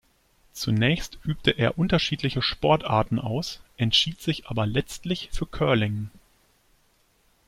Zunächst übte er unterschiedliche Sportarten aus, entschied sich aber letztlich für Curling.